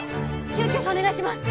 救急車お願いします！